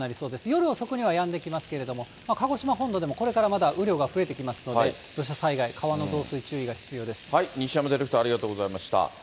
夜遅くになるとやんできそうですけれども、鹿児島本土でも、これからまだ雨量が増えてきますので、土砂災害、西山ディレクター、ありがとうございました。